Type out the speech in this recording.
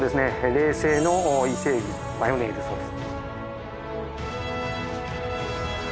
冷製の伊勢えびマヨネーズソース。